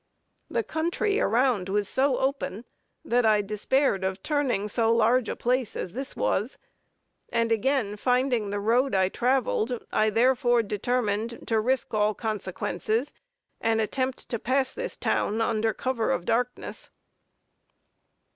The country around was so open, that I despaired of turning so large a place as this was, and again finding the road I traveled, I therefore determined to risk all consequences, and attempt to pass this town under cover of darkness.